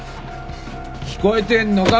聞こえてんのか？